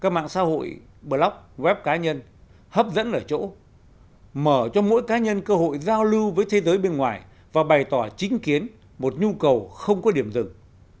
các mạng xã hội blog web cá nhân hấp dẫn ở chỗ mở cho mỗi cá nhân cơ hội giao lưu với thế giới bên ngoài và bày tỏ chính kiến một nhu cầu không có điểm dừng